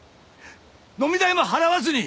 飲み代も払わずに！